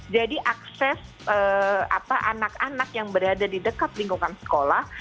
jadi akses anak anak yang berada di dekat lingkungan sekolah